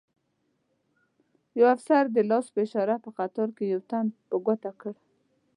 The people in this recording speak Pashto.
یو افسر د لاس په اشاره په قطار کې یو تن په ګوته کړ.